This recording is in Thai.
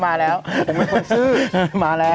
ผมไม่ควรซื้อมาแล้ว